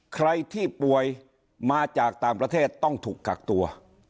ใครที่ป่วยมาจากต่างประเทศต้องถูกกักตัว